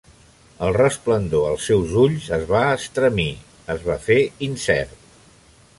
El resplendor als seus ulls es va estremir, es va fer incert.